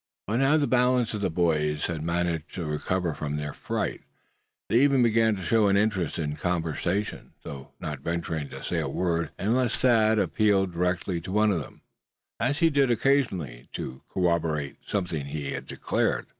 By now the balance of the boys had managed to recover from their fright. They even began to show an interest in the conversation, though not venturing to say a word unless Thad appealed directly to one of them; as he did occasionally, to corroborate something he had declared.